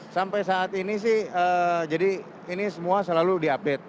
sampai saat ini sih jadi ini semua selalu diupdate